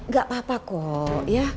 gak apa apa kok ya